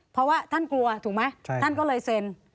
เพราะว่าท่านกลัวถูกไหมท่านก็เลยเซ็น